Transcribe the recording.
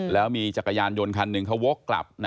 แล้วมีจักรยานยนต์คันหนึ่งเขาวกกลับ